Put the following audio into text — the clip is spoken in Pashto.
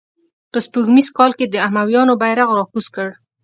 په سپوږمیز کال یې د امویانو بیرغ را کوز کړ.